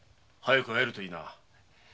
早く会えるといいな。